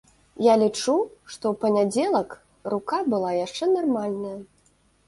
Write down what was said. Я лічу, што ў панядзелак рука была яшчэ нармальная.